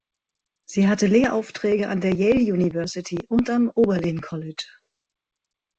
Sie hatte Lehraufträge an der Yale University und am Oberlin College.